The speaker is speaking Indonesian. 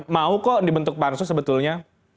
mau kok dibentuk pansus sebetulnya